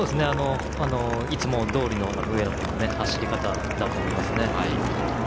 いつもどおりの上野君の走り方だと思います。